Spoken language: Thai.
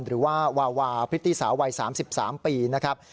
หรือว่าวาวาพริตตี้สาววัย๓๓ปีนะครับ